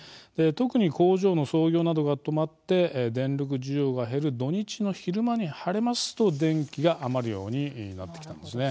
特に工場の操業などが止まって電力需要が減る土日の昼間に晴れますと、電気が余るようになってきたんですね。